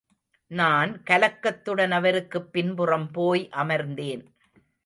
நான் கலக்கத்துடன் அவருக்குப் பின்புறம் போய் அமர்ந்தேன்.